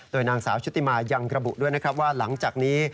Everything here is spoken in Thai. โดยนางสาวชุติมายังกระบุด้วยนะครับว่าหลังจากนี้